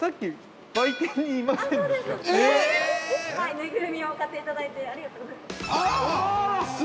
◆ぬいぐるみを買っていただいてありがとうございます。